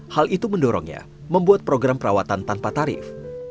hal itu mendorongnya membuat program perawatan tanpa tarif